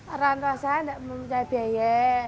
orang tua saya tidak mempunyai biaya